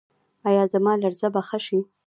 ایا زما لرزه به ښه شي؟